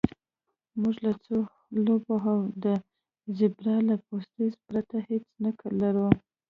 موږ له څو لوبو او د زیبرا له پوستکي پرته هیڅ نه لرل